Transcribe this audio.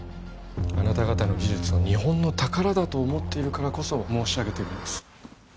あなた方の技術を日本の宝だと思っているからこそ申し上げてるんです